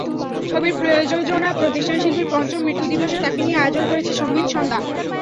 ছবির প্রযোজনা প্রতিষ্ঠান শিল্পীর পঞ্চম মৃত্যুদিবসে তাঁকে নিয়ে আয়োজন করছে সংগীতসন্ধ্যা।